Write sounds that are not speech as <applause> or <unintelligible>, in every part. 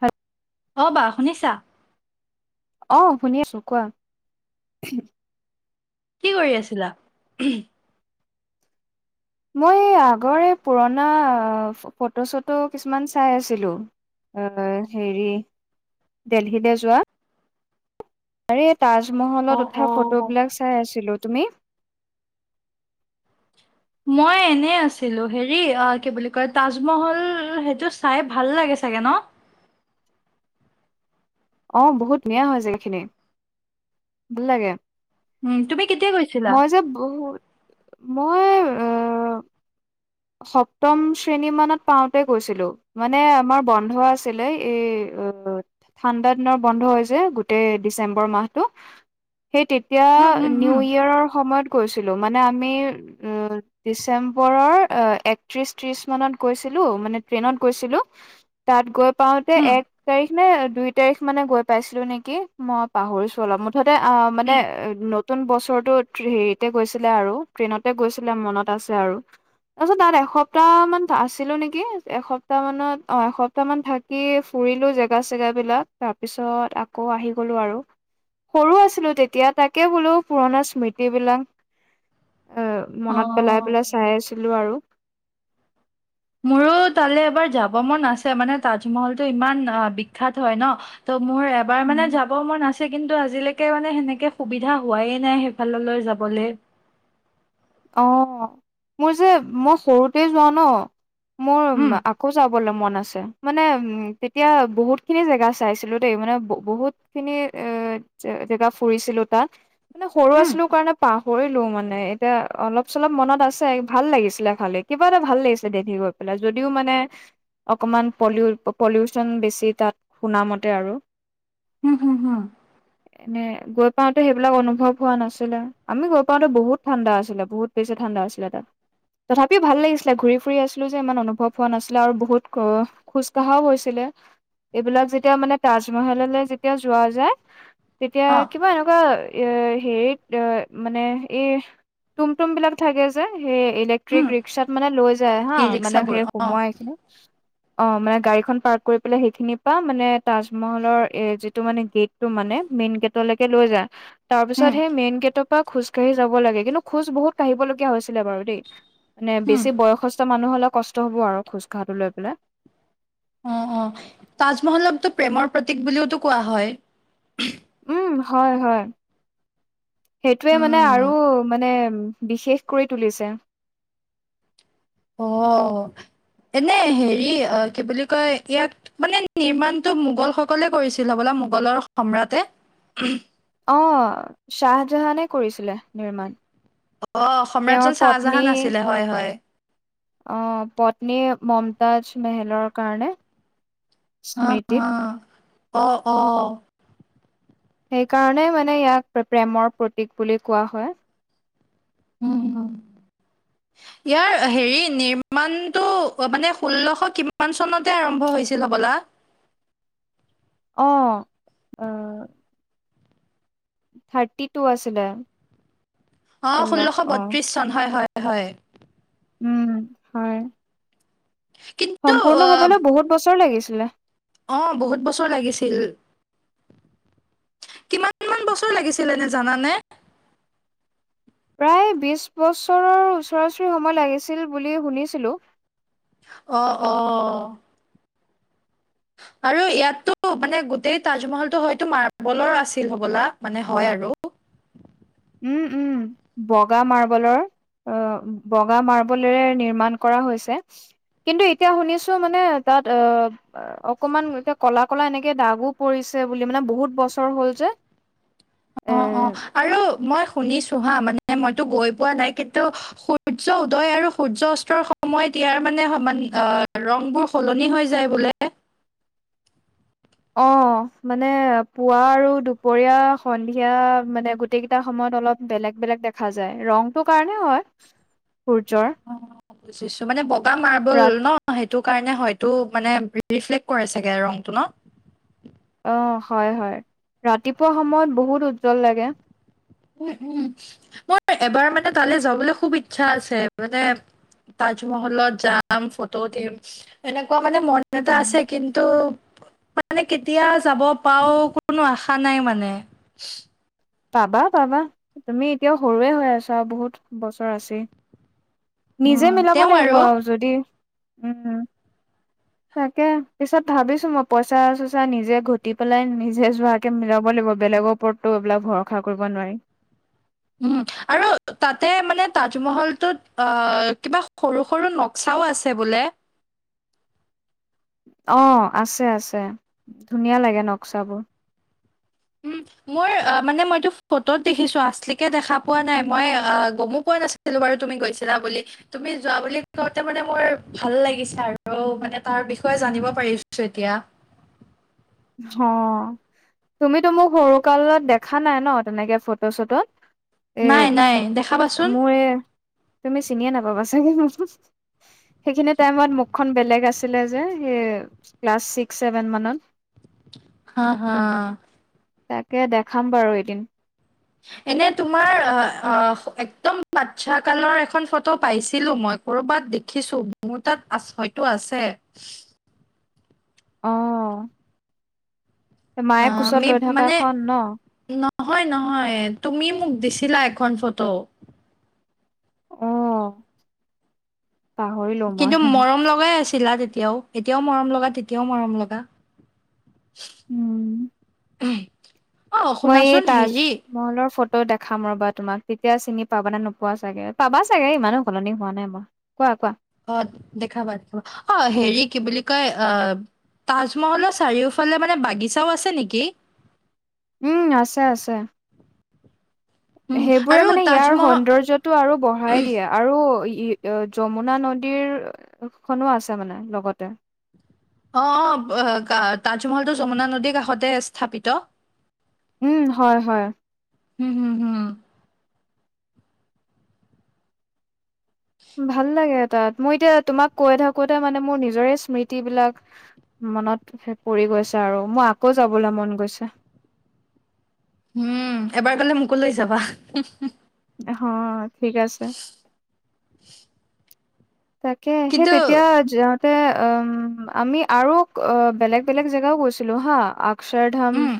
হয় <unintelligible> অ' বা শুনিছা অ শুনি আছো কোৱা কি কৰি আছিলা মই আগৰে পুৰণা ফটো চটো কিছুমান চাই আছিলো এ হেৰি দেলহিলে যোৱা আৰে অ তাজমহলত অ উঠা ফটোবিলাক চাই আছিলো তুমি মই এনে আছিলো হেৰি অ কি বুলি কয় তাজমহল সেইটো চাই ভাল লাগে চাগে ন অ', বহুত ধুয়ীয়া হৈ জাগাখিনি ভাল লাগে উম তুমি কেতিয়া গৈছিলা? মই যে বহুত মই আহ সপ্তম শ্ৰেণী মানত পাওঁতে গৈছিলো। মানে আমাৰ বন্ধ আছিলে এই অ ঠাণ্ডা দিনৰ বন্ধ হৈছে গোটেই ডিচেম্বৰ মাহটো সেই তে এতিয়া উম উম নিউ উম ইয়েৰৰ সময়ত গৈছিলোঁ মানে আমি ডিচেম্বৰৰ একত্ৰিশ ত্ৰিশ মানত গৈছিলো মানে ট্ৰেইনত গৈছিলো তাত গৈ পাওতে উম এক তাৰিখ নে দুই তাৰিখ মানে গৈ পাইছিলো নেকি মই পাহৰিছো অলপমঠ মুঠতে অ', মানে নতুন বছৰটো হেৰিতে গৈছিলে আৰু ট্ৰেইনতে গৈছিলে মনত আছে আৰু তাৰপিছত তাত এসপ্তাহ মান আছিলো নেকি এসপ্তাহ মানত অ এসপ্তাহ মান থাক কি ফুৰিলো জেগা চেগা বিলাক তাৰ পিছত আকৌ আহি গলো আৰু সৰু আছিলো তেতিয়া তাকে বোলো পুৰণা স্মৃতি বিলাক এ অ মনত পেলাই পেলাই চাই আছিলো আৰু মোৰো তালৈ এবাৰ যাব মন আছে মানে তাজমহলতটো ইমান অ', বিখ্যাত হয় ন ত'মোৰ এবাৰ মানে যাব মোৰ আছি লে কিন্তু আজিলেকে মানে সেনেকে সুবিধা হোৱাই নাই সেইফাললৈ যাবলে অ'মোৰ যে মই সৰুতেই যোৱা ন মোৰ উম মা কৌ যাবলে মন আছে মানে উম তেতিয়া বহুত খিনি জেগা চাইছিলো দেই মানে ব বহুত খিনি এ যে জেগা ফুৰিছিলোঁ তাত সৰু উম আছিলোঁ কাৰণে পাহৰিলোঁ মানে এতিয়া অলপ চলপ মনত আছে ভাল লাগিছিলে খালি কিবা এটা ভাল লাগিছিলে দেধি গৈ পেলাই যদিও মানে অকমান পলিউ পলিউচন বেছি তাত শুনামতে আৰু উম হুম হুম এনে গৈ পাওঁতে সেইবিলাক অনুভৱ হোৱা নাছিলে আমি গৈ পাওঁতে বহুত ঠাণ্ডা আছিলে বহুত বেছি ঠাণ্ডা আছিলে তাত তথাপিও ভাল লাগিছিলে ঘূৰি ফুৰি আছিলোঁ যে ইমান অনুভৱ হোৱা নাছিলে আৰু বহুত খোজ কাঢ়াও হৈছিলে এইবিলাক যেতিয়া মানে তাজমহললৈ যেতিয়া যোৱা যায় তেতিয়া অ কিবা এনেকুৱা এ হেৰিত এ মানে এই তুমটুম বিলাক থাকে যে সেই এলেক উম ট্ৰিক‌ ৰিক্সাত মানে লৈ যায় হা ই মানে ৰিক্সাবোৰ সেই অ সোমাইখিনি অ মানে গাড়ীখন পাৰ্ক কৰি পেলাই সেইখিনিৰ পৰা মানে তাজমহলৰ এ যিটো মানে গেট টো মানে মেইন গেটলৈকে লৈ যায়, তাৰ পিছত উম সেই মেইন গেটৰ পৰা খোজ কঢ়ি যাব লাগে কিন্তু খোজ বহুত কাঢ়িবলগীয়া হৈছিলে বাৰু দেই। মানে হুম বেছি বয়সস্থ মানুহ হ'লে কষ্ট হ'ব আৰু খোজ কহাঢ়ো লৈ পেলাই। অ অ তাজমহলকতো প্ৰেমৰ প্ৰতীক বুলিওতো কোৱা হয়। উম হয় হয় সেইটোৱে মানে উম আৰু মানে বিশেষ কৰি তুলিছে। অ অ এনে হেৰি কি বুলি কয় ইয়াক মানে নিৰ্মাণটো মোগল সকলে কৰিছিল হপলা মোগলৰ সম্ৰাটে অহ শাহজাহানে কৰিছিলে নিৰ্মাণ। অ তেওঁৰ সম্ৰাটজন পত্নী চাহজাহান আছিলে হয় হয় অ পত্নী মমতাজ মেহেলৰ কাৰণে অ স্মৃতিত অ' অ' সেইকাৰণে মানে ইয়াক প্ৰে প্ৰেমৰ প্ৰতীক বুলি কোৱা হয়। উম, উম। <inaudible> ইয়াৰ হেৰি নিৰ্মাণটো মানে ষোল্লশ কিমান চনতে আৰম্ভ হৈছিল হবলা অঁ থাৰ্টি টু আছিলে। অ ষোল্লশ বত্ৰিশ চন হয় হয় হয় উম হয় কিন্তু অ সম্পূৰ্ণ হবলৈও বহুত বছৰ লাগিছিলে। অ বহুত বছৰ লাগিছিল। কিমান মান বছৰ লাগিছিলে নে জানানে? প্ৰায় বিশ বছৰৰ ওচৰা ওচৰি সময় লাগিছিল বুলি শুনিছিলোঁ অ অ আৰু ইয়াতো মানে গোটেই তাজমহলটো হয়তো মাৰ্বলৰ আছিল হ'বলা মানে হয় আৰু উম উম বগা মাৰ্বলৰ অহ বগা মাৰ্বলেৰে নিৰ্মাণ কৰা হৈছে। কিন্তু এতিয়া শুনিছো মানে তাত আ অকমান এ কলা কলা এনেকে দাগো পৰিছে বুলি মানে বহুত বছৰ হ'ল যে। অ', অ', আৰু এ মই শুনিছো হা মানে মইতো গৈ পোৱা নাই কিন্তু সূৰ্য উদয় আৰু সূৰ্য অস্তৰ সময়ত ইয়াৰ মানে সমান অ' ৰংবোৰ সলনি হৈ যায় বোলে? অ', মানে পুৱা আৰু দুপৰীয়া সন্ধিয়া মানে গো গোটেইকেইটা সময়ত অলপ বেলেগ বেলেগ দেখা যায়, ৰংটো কাৰণে হয় সূৰ্যৰ। বুজিছো মানে বগা মাৰ্বল ৰাত ন? অ', সেইটো কাৰণে হয়টো মানে ৰিফ্লেক্ট কৰে চাগে ৰঙটো ন! অ', হয় হয় ৰাতিপুৱা সময়ত বহুত উজ্জ্বল লাগে। উম, উম, মোৰ এবাৰ মানে তালৈ যাবলৈ খুব ইচ্ছা আছে মানে তাজমহলত যাম ফটো উঠিম। এনেকুৱা মানে মন এটা আছে। কিন্তু মানে কেতিয়া যাব পাওঁ কোনো আশা নাই মানে। পাবা পাবা তুমি এতিয়াও সৰুৱে হৈ আছা আৰু বহুত বছৰ আছেই। নিজে উম মিলাব তেওঁ লাগিব আৰু যদি উম। তাকে পিছত ভাবিছো মই পইচা চইচা নিজে ঘটি পেলাই নিজে যোৱাকে মিলাব লাগিব। বেলেগক ওপৰতটো এইবিলাক ভৰষা কৰিব নোৱাৰি। উম, আৰু তাতে মানে তাজমহলটোত অ' কিবা সৰু সৰু ন চাও আছে বোলে? অ', আছে আছে ধুনীয়া লাগে নক্সাবোৰ। উম, <inaudible> মোৰ অ' মানে মইতো ফটোত দেখিছো আচলিকে দেখা পোৱা নাই মই অ' গমো পোৱা নাছি ছিলো বাৰু তুমি গৈছিলা বুলি। তুমি যোৱা বুলি কওঁতে মানে মোৰ ভাল লাগিছে আৰু মানে তাৰ বিষয়ে জানিব পাৰিছো এতিয়া। অ', তুমিতো মোক সৰুকালত দেখা নাই ন তেনেকে ফটো চটোত? এ নাই নাই দেখাবাচোন মোৰ এ তুমি চিনিয়ে নাপাবা চাগে মোক। সেইখিনি টাইমত মুখখন বেলেগ আছিলে যে, সেই ক্লাছ ছিক্স ছেভেন মানত। হা হা। তাকে দেখাম বাৰু এদিন। এনে তোমাৰ আ আহ একদম বাচ্ছা কালৰ এখন ফটো পাইছিলো মই। ক'ৰবাত দেখিছো মোৰ তাত আ হয়তো আছে। অ', এই অ, মায়ে কোচত আমি লৈ মানে থকাখন ন? নহয় নহয়, তুমি মোক দিছিলা এখন ফটো। অ'। পাহৰিলো মই কিন্তু মৰম লগাই আছিলা তেতিয়াও। এতিয়াও মৰম লগা তেতিয়াও মৰম লগা। উম। <inaudible> মই এ শুনাচোন তাজ হেৰি মহলৰ ফটো দেখাম ৰ'বা তোমাক তেতিয়া চিনি পাবা নে নোপোৱা চাগে, পাবা চাগে ইমানো সলনি হোৱা নাই মই। কোৱা কোৱা। অ', দেখাবা দেখাবা অ' হেৰি কি বুলি কয় অ' তাজমহলৰ চাৰিওফালে মানে বাগিচাও আছে নেকি? উম, আছে আছে। উম সেইবোৰে আৰু মানে ইয়াৰ তাজমহল সৌন্দৰ্যটো আৰু বঢ়াই দিয়ে। আৰু ই যমুনা নদীৰ খনো আছে মানে লগতে। অ', অ' তাজমহলটো যমুনা নদীৰ কাষতে স্থাপিত। উম হয় হয়। উম হুম হুম। ভাল লাগে তাত মই এতিয়া তোমাক কৈ থাকোতে মানে মোৰ নিজৰে স্মৃতি বিলাক- মনত সেই পৰি গৈছে আৰু, মোৰ আকৌ যাবলৈ মন গৈছে। উম এবাৰ গ'লে মোকো লৈ যাবা। অহ 'ঠিক আছে। তাকে সেই কিন্তু তেতিয়া- যাওঁতে অ' আমি আৰু অ' বেলেগ বেলেগ জেগাও গৈছিলো হা। চাৰধাম, উম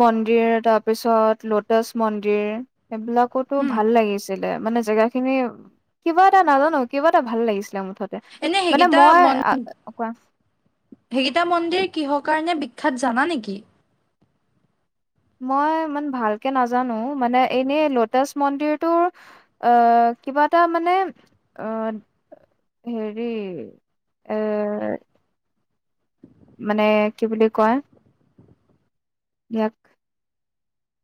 মন্দিৰ তাৰপিছত ল'টাছ মন্দিৰ। সেইবিলাকতো উম ভাল লাগিছিলে, মানে জেগা খিনি কিবা এটা নাজানো কিবা- এটা ভাল লাগিছিলে মুঠতে, এনে মানে সেইকেইটা মই, কোৱা? সেইকিতা মন্দিৰ কিহৰ কাৰণে বিখ্যাত জানা নেকি? মই ইমান ভালকে নাজানো মানে এনেই লোটাচ মন্দিৰটোৰ- আহ', কিবা এটা মানে আহ'- হেৰি, এ মানে কি বুলি কয়? ইয়াক,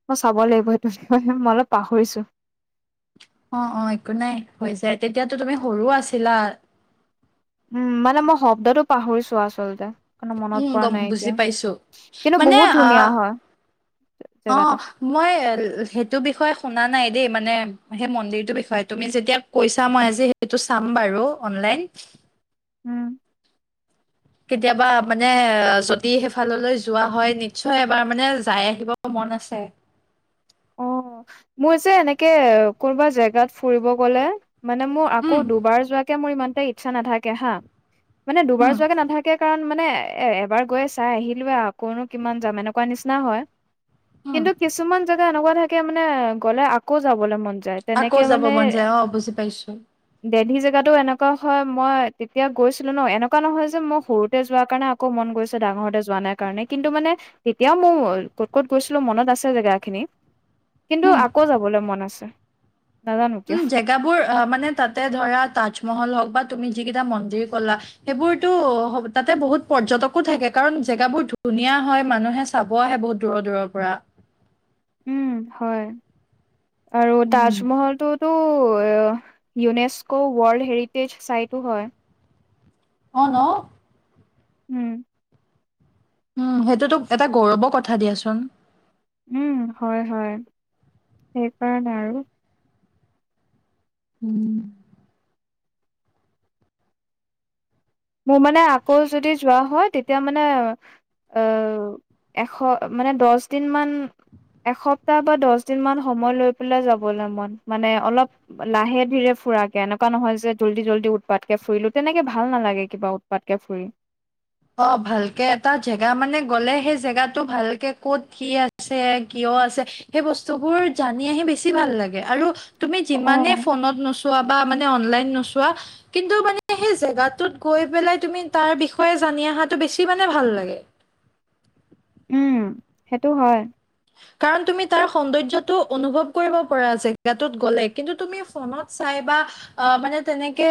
মই চাব লাগিব সেইটো মই অলপ পাহৰিছো। অ' অ', একো নাই হৈ যায় তেতিয়াতো তুমি সৰু আছিলা। উম মানে মই শব্দটো পাহৰিছো আচলতে। মানে মনত উম পৰা গম নাই বুজি এতিয়া, পাইছো কিন্তু মানে বহুত অ ধুনীয়া হয়, অ জেগাটো। মই সেইটো বিষয়ে শুনা নাই দেই, মানে সেই মন্দিৰটোৰ বিষয়ে তুমি যেতিয়া কৈছা মই আজি - এইটো চাম বাৰু অনলাইন। উম'। কেতিয়াবা মানে যদি সেইফাললৈ যোৱা হয় নিশ্চয় এবাৰ মানে যাই আহিব মন আছে। অ, মোৰ যে এনেকে কোনোবা জেগাত ফুৰিব গলে। মানে মোৰ আকৌ উম দুবাৰ যোৱাকে মোৰ ইমানতে ইচ্ছা নাথাকে হা। মানে দুবাৰ উম যোৱাকে নাথাকে কাৰণ মানে এ এবাৰ- গৈ চাই আহিলোৱে আকৌনো কিমান যাম এনেকুৱা নিচিনা হয়, উম কিন্তু কিছুমান- জেগা এনেকুৱা থাকে মানে গ'লে আকৌ যাবলৈ মন যায়। আকৌ তেনেকে যাব মন যায় অ বুজি পাইছো। দিল্লী জেগাতো এনেকুৱা হয় মই তেতিয়া গৈছিলো ন এনেকুৱা নহয় যে মই সৰুতে যোৱাৰ কাৰণে- আকৌ মন গৈছে ডাঙৰতে যোৱা নাই কাৰণে কিন্তু মানে তেতিয়াও মোৰ ক'ত ক'ত গৈছিলো মনত আছে জেগা- খিনি, কিন্তু উম আকৌ যাবলৈ মন আছে, নাজানো কিয়। উম, জেগাবোৰ মানে তাতে ধৰা তাজমহল হওক বা তুমি যিকেইটা মন্দিৰ ক'লা- সেইবোৰতো তাতে বহুত পৰ্যটকো থাকে কাৰণ জেগাবোৰ ধুনীয়া হয় মানুহে- চাব আহে বহুত দূৰৰ দূৰৰ পৰা। উম হয়, আৰু উম, তাজমহলটোত - ত' ইউনেস্ক' ৱৰ্ল্ড হেৰিটেজ চাইটো হয়। অ ন। উম। উম সেইটোতো এটা গৌৰৱৰ কথা দিয়াচোন। উম হয় হয়, সেই কাৰণে আৰু। উম। মোৰ মানে আকৌ যদি যোৱা হয় তেতিয়া মানে আহ এশ মানে দহ দিন মান এসপ্তাহ বা দহ দিনমান সময় লৈ পেলাই যাবলৈ মন মানে অলপ লাহে ধীৰে ফুৰাকে এনেকুৱা নহয় যে জল্দি জল্দি উৎপাতকে ফুৰিলো তেনেকে ভাল নালাগে কিবা উৎপাতকে ফুৰি। অঁ ভালকে এটা জেগা মানে গ'লে সেই জেগাটো ভালকে ক'ত কি আছে কিয় আছে সেই বস্তুবোৰ জানি আহি বেছি ভাল লাগে। আৰু তুমি অ যিমানে ফোনত নো চোৱা বা অনলাইন নোচোৱা, কিন্তু মানে সেই জাগাটোত গৈ পেলাই তুমি তাৰ বিক্ষয়ে জানি অহাটো বেছি মানে ভাল লাগে। উম সেইটো হয়। কাৰণ তুমি তাৰ সৌন্দৰ্যটো অনুভৱ কৰিব পৰা জাগাটোত গ'লে। কিন্তু তুমি ফোনত চাই বা আঁহ মানে তেনেকে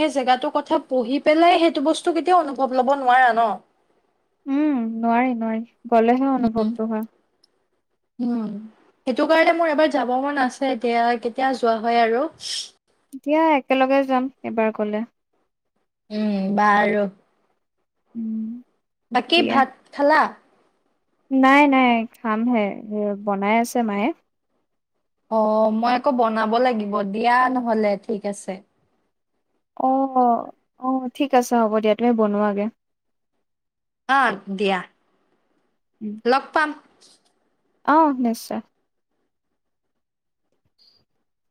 সেই জেগাটোৰ কথা পঢ়ি পেলাই সেইটো বস্তু কেতিয়াও অনুভৱ লব নোৱাৰা ন। উম নোৱাৰি নোৱাৰি গলেহে অনুভৱটো হয়। উম সেইটো কাৰণে মোৰ এবাৰ যাব মন আছে, এতিয়া কেতিয়া যোৱা হয় আৰু। দিয়া একেলগে যাম এইবাৰ গলে। উম বাৰু। <inaudible> বাকী দিয়া ভাত খালা? নাই নাই খামহে, বনাই আছে মায়ে। অ মই আকৌ বনাব লাগিব। দিয়া নহলে ঠিক আছে। অ অ ঠিক আছে হ'ব দিয়া, তুমি বনোৱাগে। অ দিয়া। <inaudible> লগ পাম। অঁ নিশ্চয়। <inaudible>